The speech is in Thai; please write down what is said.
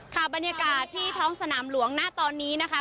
ค่ะบรรยากาศที่ท้องสนามหลวงณตอนนี้นะคะ